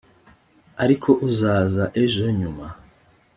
ariko uzaza ejo nyuma